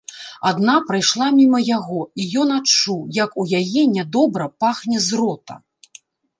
Адна прайшла міма яго, і ён адчуў, як у яе нядобра пахне з рота.